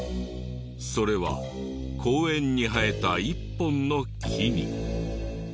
それは公園に生えた一本の木に。